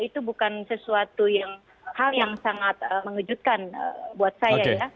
itu bukan sesuatu hal yang sangat mengejutkan buat saya ya